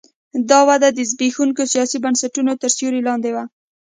دا وده د زبېښونکو سیاسي بنسټونو تر سیوري لاندې وه.